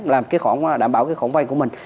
làm cái khoản đảm bảo cái khoản vay của mình